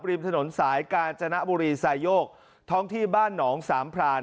ริมถนนสายกาญจนบุรีไซโยกท้องที่บ้านหนองสามพราน